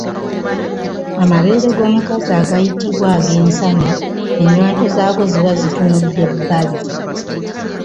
Amabeere g’omukazi agayitibwa ag’ensama ennywanto zaago ziba zitunudde bbali.